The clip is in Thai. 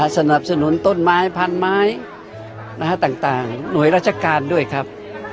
สนับสนุนต้นไม้พันไม้ต่างหน่วยราชการด้วยครับ